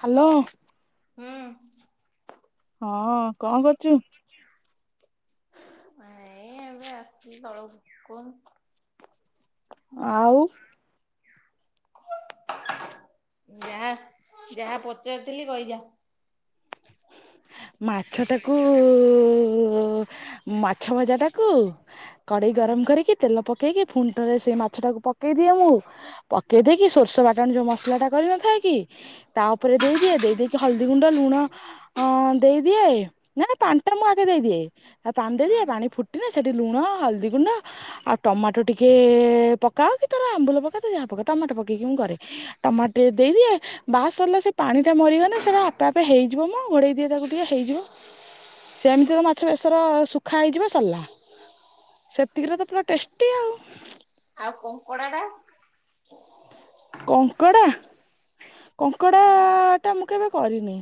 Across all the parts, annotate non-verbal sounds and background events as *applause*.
Hello. ହୁଁ। ହଁ କଁ କରଚୁ? ଏଇ ଏବେ ଆସଚି ତଳୁକୁ କୋହୁନୁ। ଆଉ ଯାହା ଯାହା ପଚାରିଥିଲି କହିଯା। ମାଛଟାକୁ ମାଛ ଭଜାଟା କୁ କଡ଼େଇ ହୁଁ ଗରମ କରିକି ତେଲ ପକେଇକି ଫୁଣି ଥରେ ସେ ମାଛଟାକୁ ପକେଇ ଦିଏ ମୁଁ। ପକେଇ ଦେଇକି ସୋରିଷ ବାଟଣ ଯୋଉ ମସଲାଟା କରିନଥାଏ କି। ତା ଓପରେ ଦେଇଦିଏ ଦେଇ ଦେଇକି ହଳଦୀ ଗୁଣ୍ଡ ଲୁଣ *unintelligible* ହଁ ଦେଇଦିଏ ନା ନା ପାଣି ଟା ମୁଁ ଆଗେ ଦେଇଦିଏ ଆ ପାଣି ଦେଇଦିଏ ହୁଁ ପାଣି ଫୁଟି। ଟି ନେ ସେଠି ଲୁଣ ହଳଦୀ ଗୁଣ୍ଡ। ଆଉ ଟମାଟୋ ଟିକେ ପକାଅ କି ତର ଆମ୍ବୁଲ ପକା ତୁ ଯାହା ପକା ଟମାଟୋ ପକେଇକି ମୁଁ କରେ। ଟମାଟେ ଦେଇଦିଏ ବାସ ସରିଲେ ସେ ପାଣି ଟା ମରିଗଲେ ସେଟା ଆପେ ଆପେ ହେଇ। ଯିବମ ଘୋଡ଼େଇ ଦିଏ ତାକୁ ଟିକେ ହେଇଯିବ। ସେମିତିତ ମାଛ ବେଶର ଶୁଖା ହେଇଯିବ ସରିଲା। ସେତିକିରେ ତ ପୁରା ଟେଷ୍ଟି ଆଉ। ଆଉ କଙ୍କଡା ଟା। କଙ୍କଡ଼ା କଙ୍କଡ଼ାଟା ମୁଁ କେବେ କରିନି।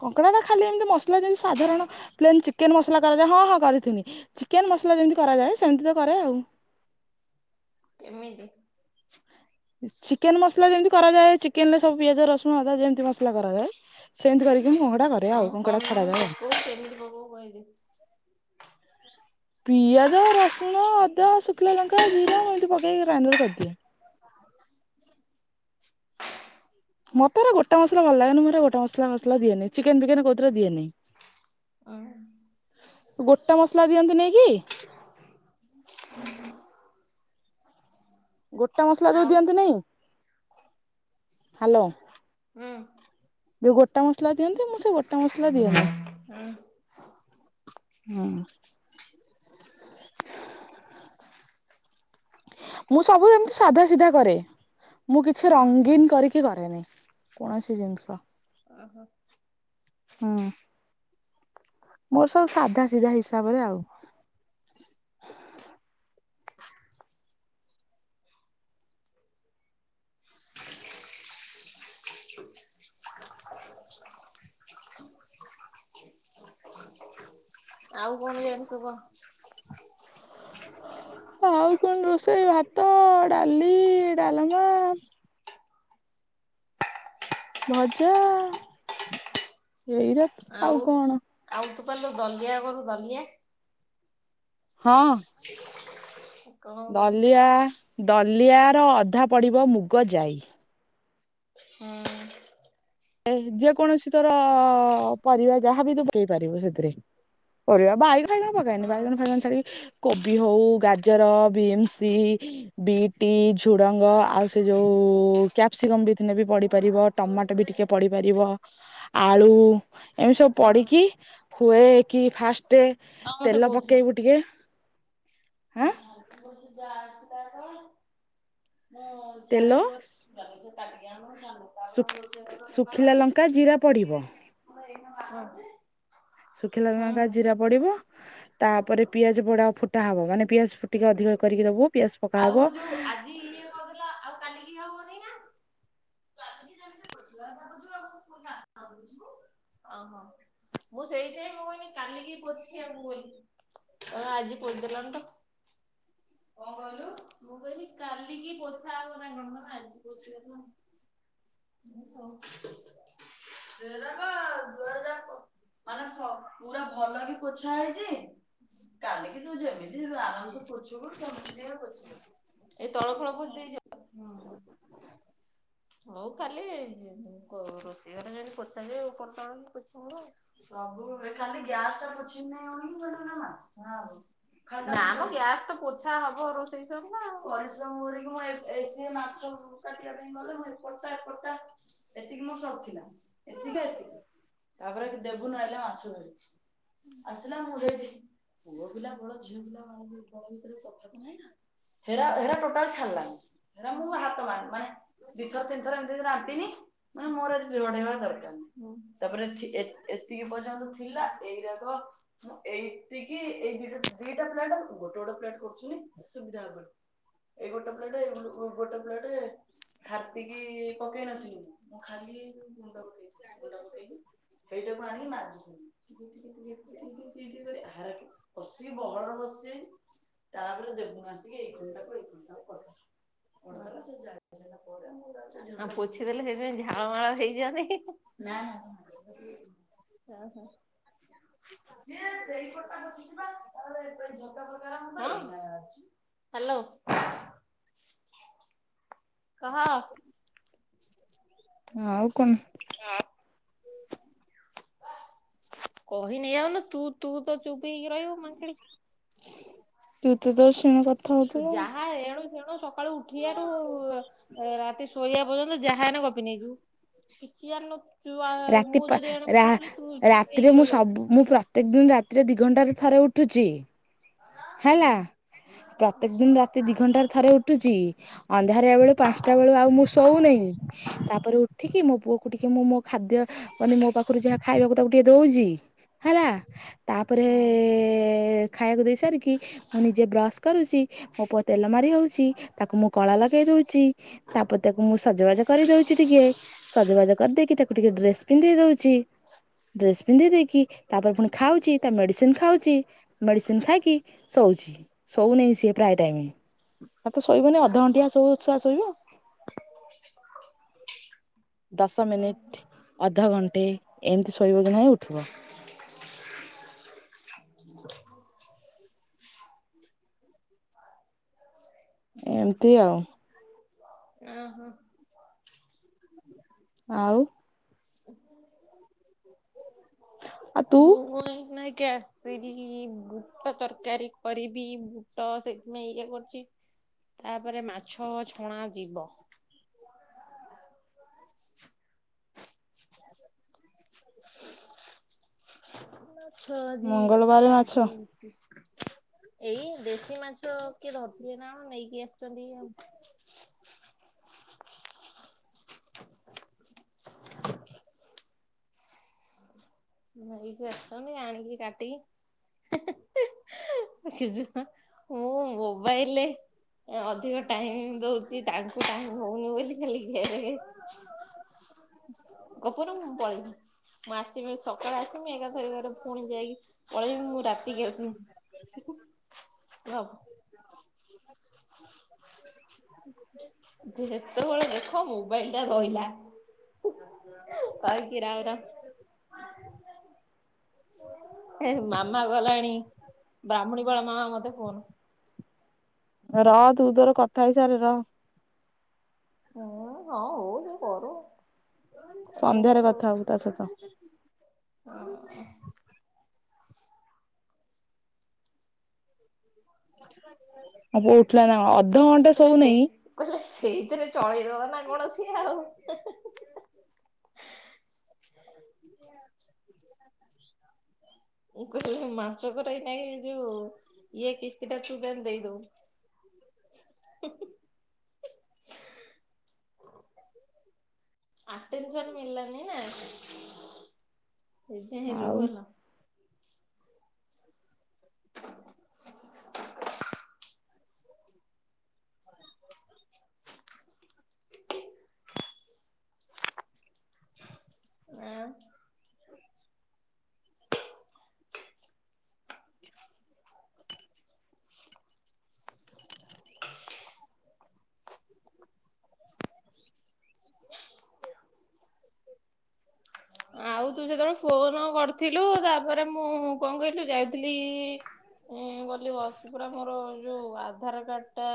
କଙ୍କଡ଼ାଟା ଖାଲି ଏମିତି ମସଲା ଯେମିତି ସାଧାରଣ ପ୍ଲେନ୍ ଚିକେନେ ମସଲା କରାଯାଏ ହଁ ହଁ କରିଥିନି। ଚିକେନ ମସଲା ଯେମିତି କରାଯାଏ ସେମିତି ତ କରେ ଆଉ। କେମିତି। ଚିକେନ୍ ମସଲା ଯେମିତି କରାଯାଏ ଚିକେନ୍ ରେ ସବୁ ପିଆଜ ରସୁଣ ଅଦା ଯେମିତି ମସଲା କରାଯାଏ। ସେମତି କରିକି ମୁଁ କଙ୍କଡା କରେ ଆଉ କଣ କଙ୍କଡା କଣ ଛଡାଯାଏ ଆଉ। ପକଉ କେମିତି ପକଉ କହିଦେ *unintelligible* ପିଆଜ ରସୁଣ ଅଦା ଶୁଖିଲା ଲଙ୍କା ଜିରା ମୁଁ ଏମିତି ପକେଇକି ଗ୍ରାଇଣ୍ଡର କରିଦିଏ। ମତେଏରା ଗୋଟା ମସଲା ଭଲ ଲାଗନି ମୁଁଏରା ଗୋଟା ମସଲା ମସଲା ଦିଏନି ଚିକେନ୍ ଫିକେନ୍ କଉଥିରେ ଦିଏନି। ଅହ। ଗୋଟା ମସଲା ଦିଅନ୍ତୁ ନେହି କି। ଗୋଟା ମସଲା ଯୋଉ ଆଉ ଦିଅନ୍ତି ନେହି ହ୍ୟାଲୋ। ହୁଁ। ଯୋଉ ଗୋଟା ମସଲା ଦିଅନ୍ତି ମୁଁ ସେ ଗୋଟା ମସଲା ଦିଏନାହିଁ। *unintelligible* ହଁ। ମୁଁ ସବୁ ଯେମିତି ସାଧା ସିଧା କରେ ମୁଁ କିଛି ହଁ ରଙ୍ଗୀନୀ କରିକି କରେନି। କୌଣସି ଜିନିଷ। ହୁଁ *unintelligible* ମୋର ସବୁ ସାଧା ସିଧା ହିସାବରେ ଆଉ। ଆଉ କଣ ଜାଣିଛୁତ କହ। ଆଉ କଣ ରୋଷେଇ ଭାତ ଡାଲି ଡାଲମା। ଭଜା ଏଇରେ। ଆଉ ଆଉ ତୁ ପା ଲୋ ଦଲିଆ କରୁ ଦଲିଆ। ହଁ। କଣ କରୁ ଦଲିଆ ଦଲିଆ ର ଅଧା ପଡିବ ମୁଗ ଯାଇ। ହଁ। ଏ ଯେକୌଣସି ତୋର ପରିବା ଯାହାବି ତୁ ପକେଇ ପାରିବୁ ସେଥିରେ। ପରିବା ବାଇଗଣ ଫାଇଗଣ ପକାଇନି ବାଇଗଣ ଫାଇଗଣ ଛାଡିକି। କୋବି ହୋଉ ଗାଜର ବିମ୍ସି ବିଟି, ଝୁଡଙ୍ଗ ଆଉ ସେ ଯୋଉ କ୍ୟାପ୍ସିକମ୍ ବି ଥିନେ ବି ପଡି ପାରିବ ଟମାଟୋ ବି ଟିକେ ପଡି ପାରିବ ଆଳୁ ଏମିତି ସବୁ ହଁ ପଡିକି ହୁଏ କି ଫାଷ୍ଟେ ମତେ ତେଲ ପକେଇବୁ ଟିକେ ଆଁ *inaudible* ତେଲ *unintelligible* ରୋଷେଇ ଶୁଖ୍ ଘର ସଫା ଶୁଖିଲା କଲି। ଲଙ୍କା ଜିରା ପଡ଼ିବ। *unintelligible* ଶୁଖିଲା ଲଙ୍କା ଜିରା ପଡିବ ତାପରେ ପିଆଜ ବଡା ଫୁଟା ହବ ମାନେ ପିଆଜ ଫୁଟିକେ ଅଧିକ କରିକି ଦବୁ ପିଆଜ ପକା ହବ ଆଉ ଯୋଉ ଆଜି ଇଏ କରିଦେଲା ଆଉ କାଲିକି ହବନି ନା? *unintelligible* ଅ ହ ମୁଁ ସେଇଥି ପାଇଁ ମୁଁ କହିନି କାଲିକି ପୋଛି ଆଣିବୁ ବୋଲି। *unintelligible* ଆଜି ପୋଦେଲଣି ତ କଣ କହିଲୁ, ମୁଁ କହିଲି କାଲିକି ପୋଛା ହବ ନା କଣ ଆଜି ପୋଛି ଦେଲୁ *inaudible* ହେରାକ ଦୁଆର ଯାକ ମାନେ *unintelligible* ପୁରା ଭଲ କି ପୋଛା ହେଇଛି କାଲିକି ତୁ ଯେମିତି ଆରାମ୍ ସେ ପୋଷିବୁ ସେମିତି ଟିକେ ପୋଛି ଦେଲୁ। ତଳ ଫଳ ପୋଛିଦେଇଛ? ହଁ। ହଉ କାଲି କ ରୋଷେଇ ଘରେ ଯେମିତି ପୋଛାଯିବ, ଉପର ତଳ କି ପୋଛା ଯିବ ଆଉ। ସବୁ *unintelligible* ଖାଲି ଗ୍ୟାସ ଟା ପୋଛିନି ନାଣ *unintelligible* ଆଉ ନାଁ ମ ଗ୍ୟାସ୍ ତ ପୋଛା ହବ ରୋଷେଇ ସରିନେ ଆଉ, ପରିଶ୍ରମ କରିକି ମୁଁ ଏ ସିଏ ମାଛ କାଟିବା ପାଇଁ ଗଲେ ମୁଁ ଏପଟା ଏପଟା ଏତିକି ମୋ ସରଥିଲା ଏତିକି ଏତିକି। ତାପରେ ଦେବୁନୁ ଆଇଲା ମାଛ ଧରି ଆସିଲା ମୋ *unintelligible* ପୁଅ ପିଲା ବଳ ଝିଅ ପିଲା ବଳ ବଳ ଭିତରେ ତଫାତ୍ ନାହିଁ ନା? ହେରା ହେରା ଟୋଟାଲ୍ ଛାଡିଲାନି, ହେରା ମୁଁ ହାତ ମାରିନି ମାନେ ଦି ଥର ତିନ୍ ଥର ଏମ୍ତି ରେ ରାମ୍ପିନି ମାନେ ମୋର ବଢେଇବା ଦରକାର ନାହିଁଁ ତାପରେ ଏ ଏତିକି ପର୍ଯ୍ୟନ୍ତ ଥିଲା ଏଇ ରାକ ମୁଁ ଏତିକି ଏଇ ଦିଟା ଦିଟା ଫ୍ଲାଟ୍ ଆଉ ଗୋଟେ ଗୋଟେ ଫ୍ଲାଟ୍ କରୁଛି ସୁବିଧା ହେବାକୁ। ଏଇ ଗୋଟେ ପ୍ଲେଟେ ଏ ଗୋଟେ ପ୍ଲେଟେ ହାର୍ପିକି ପକେଇ ନଥିଲି ମୁଁ, ମୁଁ ଖାଲି ଗୁଣ୍ଡ ପକେଇ ଗୁଣ୍ଡ ପକେଇଲି। ହେଇଟାକୁ ଆଣି ମାଜୁଥିନି। *unintelligible* କସିକି ବହଳ ବସେଇନି ତାପରେ ଦେଖୁନୁ ଆସିକି ଏଇ ଖଣ୍ଡ୍ ଟାକୁ ଏଇ ଖଣ୍ଡ୍ ଟାକୁ କରୁଥିଲି, ଘର ସେ ଜାଗା ଜାଗା *inaudible* ପୋଛିଦେଲି ସେଇଥିପାଇଁ ଝାଳ ମାଳ ହେଇଯାଏନି। ଅ ହ। ସିଏ ସେଇପଟା ପୋଛିଚି ପା *unintelligible* ହାଲୋ। କହ। ଆଉ କଣ? *inaudible* କହି ନେଇ ଯାଉନୁ ତୁ ତୁ ତ ଚୁପ୍ ହେଇକି ରହିବୁ ମାଙ୍କେଡି। ତୁ ତ ତୋର ଶୁଣ କଥା ତୁ ହଉଥିଲୁ ଯାହା ଏଣୁ ତେଣୁ ସକାଳୁ ଉଠିଆ ରୁ ରାତି ଶୋଇବା ପର୍ଯ୍ୟନ୍ତ ଯାହା ହେନେ ଗପି ନେଇଯିବୁ। କିଛି ତୁ ଆ ରାତି ମୁଁ ପା ଯଦି ଏଣେ ରା କଥା ହଉଚି ତୁ ଚୁପ୍ ହେଇକି ରାତିରେ ମୁଁ ରହିଯାଉଚୁ। ସବୁ ମୁଁ କେ ଦିନ୍ ରାତିରେ ଦି ଘଣ୍ଟାରେ ଥରେ ଉଠୁଛି। ହେଲା ହୁଁ। ପ୍ରତ୍ୟେକ ଦିନ୍ ରାତି ଦି ଘଣ୍ଟାରେ ଥରେ ଉଠୁଛି, ଅନ୍ଧାରିଆ ବେଳେ ପାଷ୍ଟା ବେଳୁ ଆଉ ମୁଁ ଶୋଉନେଇଁ ତାପରେ ଉଠିକି ମୋ ପୁଅକୁ ଟିକେ ମୁଁ ମୋ ଖାଦ୍ୟ ମାନେ ମୋ ପାଖରୁ ଯାହା ଖାଇବାକୁ ତାକୁ ଟିକେ ଦୋଉଛି ହେଲା ତାପରେ ଖାଇଆକୁ ଦେଇ ସାରିକି ମୁଁ ନିଜେ ବ୍ରସ୍ କରୁଛି। ମୋ ପୁଅ ତେଲ ମାରି ହଉଛି ତାକୁ ମୁଁ କଳା ଲଗେଇ ଦଉଛି। ତାପରେ ତାକୁ ମୁଁ ସଜବାଜ କରିଦଉଛି ଟିକେ। ସଜବାଜ କରିଦେଇକି ତାକୁ ଟିକେ ଡ୍ରେସ ପିନ୍ଧେଇ ଦଉଛି ଡ୍ରେସ୍ ପିନ୍ଧେଇ ଦେଇକି ତାପରେ ପୁଣି ଖାଉଛି ତା ମେଡ଼ିସିନ ଖାଉଛି ମେଡ଼ିସିନ ଖାଇକି ଶୋଉଚି। ଶଉନାହିଁ ସିଏ ପ୍ରାୟ ଟାଇମ ତ ଶୋଇବନି ଅଧ ଘଣ୍ଟିଆ ସୁଆ ଶୋଇବ। ଦଶ ମିନିଟ୍ ଅଧଘଣ୍ଟେ ଏମିତି ଶୋଇବ କି ନାହିଁ ଉଠିବ। *unintelligible* ଏମତି ଆଉ। ଓହୋ। ଆଉ। ଆଉ ତୁ *inaudible* ସେଠି ବୁଟ ତରକାରୀ କରିବି ବୁଟ ସେଥିପାଇଁ ଇଏ କରୁଛି। ତାପରେ ମାଛ ଛଣା ଯିବ। *unintelligible* ମାଛ ଆଜି ମଙ୍ଗଳବାର ରଖା ମାଛ ହେଇସି ଏଇ ଦେ ସି ମାଛ କିଏ ଧରିଥିଲେ ନା କଣ ନେଇକି ଆସିଛନ୍ତି ଇଏ ଆଉ। *unintelligible* ନେଇକି ଆସିଛନ୍ତି ଆଣିକି କାଟିିକି ମୁଁ ମୋବାଇଲରେ ଏ ଅଧିକ ଟାଇମ ଦଉଛିି ତାଙ୍କୁ ଟାଇମ ଦଉନି ବୋଲି ଖାଲି ଗେରେ ଗେରେ ଗପରୁ ମୁଁ ପଳେଇବି ମୁଁ ଆସିବି ସକାଳେ ଆସିବି। ମୁଁ ଏକାଥରକେ ପୁଣି ଯାଇକି ପଳେଇବି ମୁଁ ରାତିକି ଆସବି। ହଉ। *unintelligible* ଯେତେବେଳେ ଦେଖ ମୋବାଇଲ ଟା ରହିଲା। କହିକି ରାଉ ରାଉ। *inaudible* ହେ ମାମା ଗଲାଣି ବ୍ରହ୍ମୁଣି ପାଳ ମାମା ମତେ ଫୋନ ର ତୁ ତୋର କଥା ହେଇସାରେ ର। ହୁଁ ହଁ ହଉ ସେ କରୁ। କରିବା ସନ୍ଧ୍ୟାରେ କଥା ହବୁ ତା ସହିତ। ଅଁ ଅବୁ ଉଠିଲା ନା କଣ ଅବୁ। କହିଲେ ସେ କହିଲେ ସେଇଥିରେ ଚଳେଇଦବ ନା କଣ ସିଏ ଆଉ। ମୁଁ କହିଲି ମାଛକରାଇ ନାଇଁ ଯୋଉ ଇଏ କିସ୍ତି ଟା ତୁ ତାଙ୍କୁ ଦେଇଦବୁ। *unintelligible* ଆଟେନସନ ମିଳିଲାନି ନା ସେଇଥିପାଇଁ ଆଉ ରୋଲ। ଆ ଆଉ ତୁ ସେତେବେଳେ ଫୋନ କରିଥିଲୁ ତାପରେ ମୁଁ କଣ କହିଲୁ ଯାଇ ଥିଲି ଗଲି ବସ ପୁରା ମୋର ଯୋଉ ଆଧାର କାର୍ଡ ଟା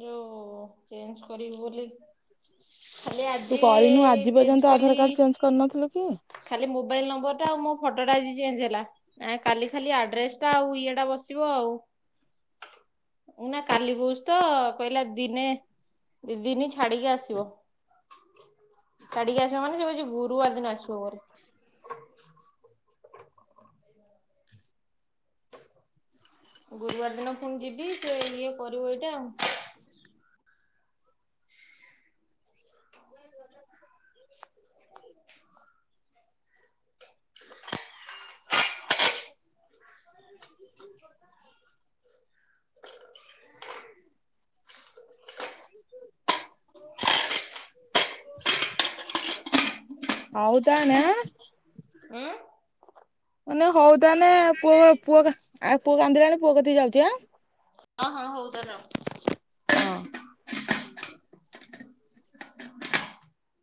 ଯୋଉ ଚେଞ୍ଜ କରିବି ବୋଲି ଖାଲି ତୁ ଆଜି କରିନୁ ଆଜି ପର୍ଯ୍ୟନ୍ତ ଚେଞ୍ଜ ଆଧାର କଲି କାର୍ଡ ଚେଞ୍ଜ କରିନଥିଲୁ କି? ଖାଲି ମୋବାଇଲ ନମ୍ବର ଟା ଆଉ ମୋ ଫଟୋଟା ଆଜି ଚେଞ୍ଜ ହେଲା। ନାଇଁ କାଲି ଖାଲି ଆଡ୍ରେସ ଟା ଆଉ ଇଏଟା ବସିବ ଆଉ। *inaudible* ଉ ନା କାଲି କହୁଚି ତ କହିଲା ଦିନେ ଦି ଦିନି ଛାଡିକି ଆସିବ ଛାଡିକି ଆସିବ ମାନେ ସେ କହୁଚି ଗୁରୁବାର ଦିନ ଆସିବ। ତୋରେ ଗୁରୁବାର ଦିନ ପୁଣି ଯିବି, ସେ ଇଏ କରିବ ଏଇଟା ଆଉ। ହୋଉ ତା ନେ? ଉଁ ମାନେ ହଉ ତାହେ ପୁଅ ପୁଅ ଆ ପୁଅ କାନ୍ଦିଲାଣି ପୁଅ କତିକି ଯାଉଛି ଆଁ? *unintelligible* ହଁ।